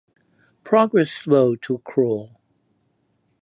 Progress slowed to a crawl.